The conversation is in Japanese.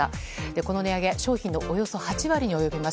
この値上げ、商品のおよそ８割に及びます。